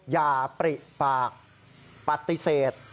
อย่าปริปากปฏิเสธ